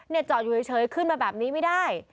จอดอยู่เฉยขึ้นมาแบบนี้ไม่ได้